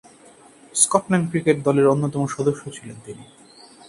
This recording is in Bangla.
স্কটল্যান্ড ক্রিকেট দলের অন্যতম সদস্য ছিলেন তিনি।